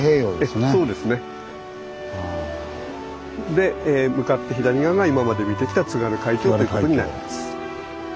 で向かって左側が今まで見てきた津軽海峡ということになります。